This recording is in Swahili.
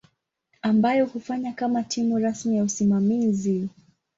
ambayo hufanya kama timu rasmi ya usimamizi.